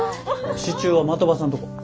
支柱は的場さんとこ？